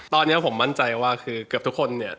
ตอนนี้ผมมั่นใจว่าคือเกือบทุกคนเนี่ย